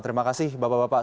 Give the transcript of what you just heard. terima kasih bapak bapak